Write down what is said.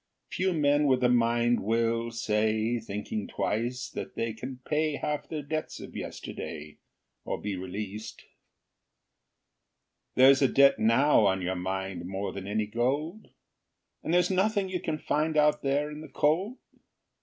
Few men with a mind will say, Thinking twice, that they can pay Half their debts of yesterday, Or be released. There's a debt now on your mind More than any gold? And there's nothing you can find Out there in the cold?